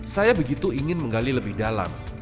saya begitu ingin menggali lebih dalam